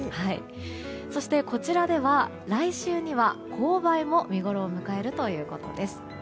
そして、こちらでは来週には紅梅も見ごろを迎えるということです。